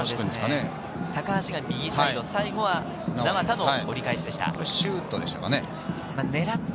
高橋が右サイド、サイドは名和田の折り返しでした。